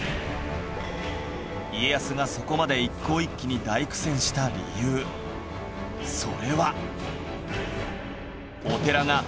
家康がそこまで一向一揆に大苦戦した理由それは